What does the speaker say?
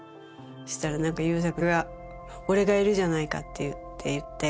そしたら何か優作が俺がいるじゃないかって言っていて。